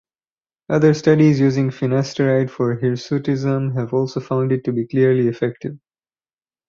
Other studies using finasteride for hirsutism have also found it to be clearly effective.